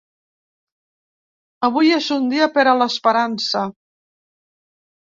Avui és un dia per a l'esperança.